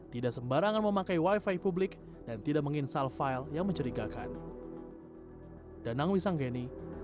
tidak sembarangan memakai wifi publik dan tidak menginstal file yang mencurigakan